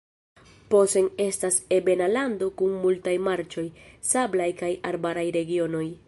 Posen estas ebena lando kun multaj marĉoj, sablaj kaj arbaraj regionoj.